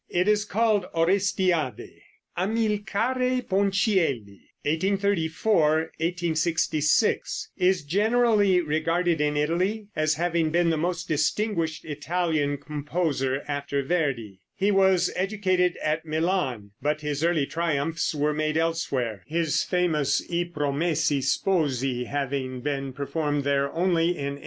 It is called "Orestiade." Amilcare Ponchielli (1834 1866) is generally regarded in Italy as having been the most distinguished Italian composer after Verdi. He was educated at Milan, but his early triumphs were made elsewhere, his famous "I Promessi Sposi" having been performed there only in 1872.